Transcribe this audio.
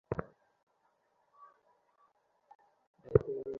অপরাধের বোঝায় বুক ভারী।